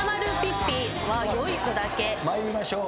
参りましょう。